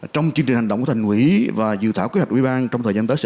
trong chương trình hành động của thành quỷ và dự thảo kế hoạch quỹ ban trong thời gian tới sẽ